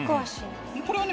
これはね